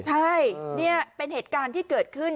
ใช่นี่เป็นเหตุการณ์ที่เกิดขึ้น